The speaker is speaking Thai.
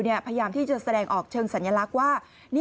พยายามที่จะแสดงออกเชิงสัญลักษณ์ว่า